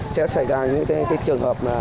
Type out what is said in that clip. sẽ xảy ra những cái trường hợp